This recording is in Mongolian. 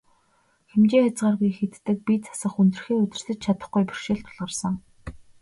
Хэмжээ хязгааргүй их иддэг, бие засах, хүндрэхээ удирдаж чадахгүй бэрхшээл тулгарсан.